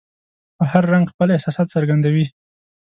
په هر رنګ خپل احساسات څرګندوي.